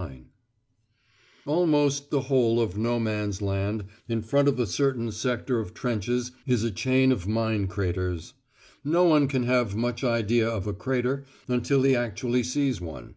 You will notice at once that almost the whole of No Man's Land in front of this sector of trenches is a chain of mine craters. No one can have much idea of a crater until he actually sees one.